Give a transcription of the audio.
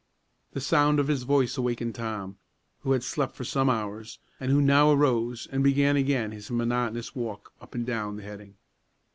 The sound of his voice awakened Tom, who had slept for some hours, and who now arose and began again his monotonous walk up and down the heading.